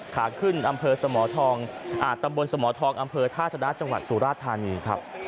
ขาขึ้นอำเภอสมตำบลสมทองอำเภอท่าชนะจังหวัดสุราธานีครับ